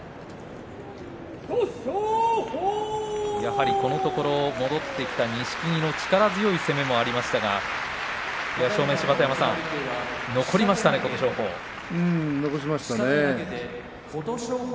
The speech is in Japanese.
やはり、このところ戻ってきた錦木の力強い攻めもありましたが芝田山さん、残りましたね琴勝峰。